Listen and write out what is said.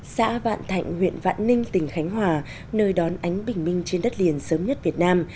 xã vạn thạnh huyện vạn ninh tỉnh khánh hòa nơi đón ánh bình minh trên đất liền sớm nhất việt nam